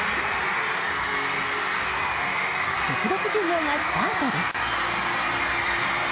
特別授業がスタートです。